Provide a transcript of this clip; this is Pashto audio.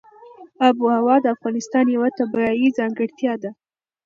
آب وهوا د افغانستان یوه طبیعي ځانګړتیا ده.